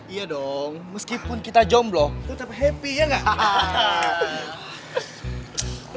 iya dong meskipun kita jomblo tetep happy ya gak